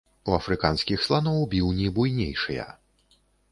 У афрыканскіх сланоў біўні буйнейшыя.